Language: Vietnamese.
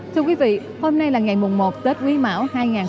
thưa quý vị hôm nay là ngày mùng một tết quý mão hai nghìn hai mươi bốn